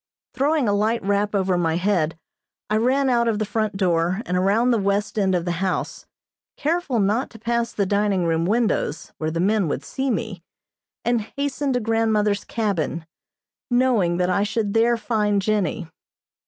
Throwing a light wrap over my head, I ran out of the front door, and around the west end of the house, careful not to pass the dining room windows, where the men would see me, and hastened to grandmother's cabin, knowing that I should there find Jennie.